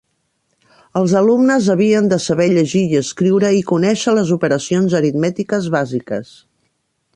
Els alumnes havien de saber llegir i escriure i conèixer les operacions aritmètiques bàsiques.